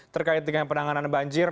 terkait dengan penanganan banjir